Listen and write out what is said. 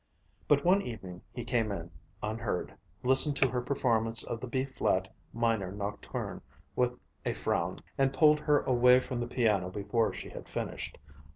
But one evening he came in, unheard, listened to her performance of the B flat minor nocturne with a frown, and pulled her away from the piano before she had finished.